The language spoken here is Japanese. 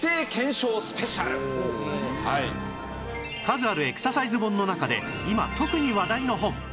数あるエクササイズ本の中で今特に話題の本